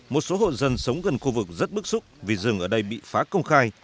một số hộ dân sống gần khu vực rất bức xúc vì rừng ở đây bị phá công khai